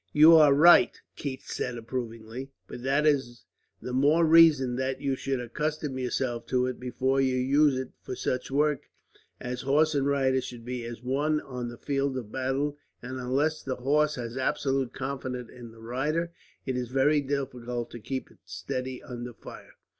"You are right," Keith said approvingly; "but that is the more reason that you should accustom yourself to it, before you use it for such work; as horse and rider should be as one on the field of battle and, unless the horse has absolute confidence in its rider, it is very difficult to keep it steady under fire."